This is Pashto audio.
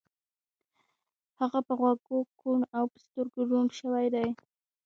هغه په غوږو کوڼ او په سترګو ړوند شوی دی